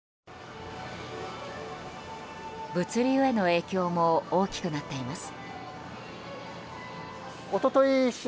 物流への影響も大きくなっています。